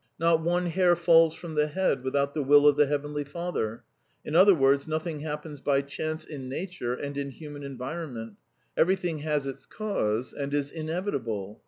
Not one hair falls from the head without the will of the Heavenly Father in other words, nothing happens by chance in Nature and in human environment. Everything has its cause and is inevitable.